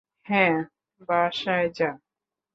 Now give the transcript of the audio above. হ্যাঁ, বাসায় যা।